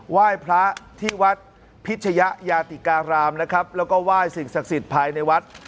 ไหว้พระที่วัดพิชยะยาติการามนะครับแล้วก็ไหว้สิ่งศักดิ์สิทธิ์ภายในวัด